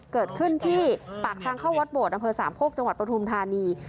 เกิดขึ้นที่ปากทางเข้าวัดโบดดสามโภคจประธุมธานี